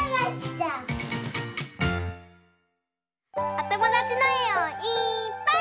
おともだちのえをいっぱい。